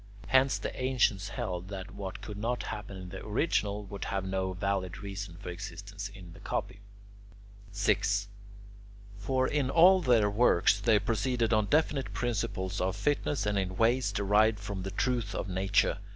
Hence the ancients held that what could not happen in the original would have no valid reason for existence in the copy. 6. For in all their works they proceeded on definite principles of fitness and in ways derived from the truth of Nature.